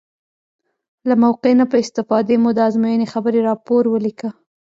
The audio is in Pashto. له موقع نه په استفادې مو د ازموینې خبري راپور ولیکه.